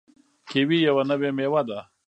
کیوي یوه نوې میوه ده.